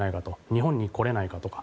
日本に来れないかとか。